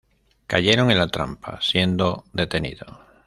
Cayeron en la trampa siendo detenido.